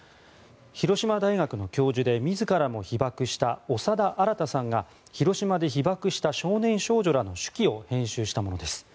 広島大学の教授で自らも被爆した長田新さんが、広島で被爆した少年少女らの手記を編集したものです。